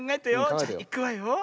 じゃいくわよ。